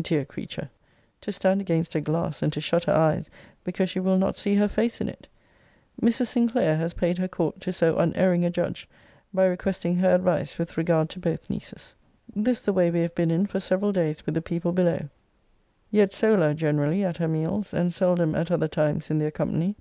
Dear creature! to stand against a glass, and to shut her eyes because she will not see her face in it! Mrs. Sinclair has paid her court to so unerring a judge, by requesting her advice with regard to both nieces. This the way we have been in for several days with the people below. Yet sola generally at her meals, and seldom at other times in their company.